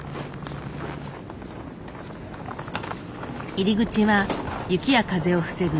入り口は雪や風を防ぐ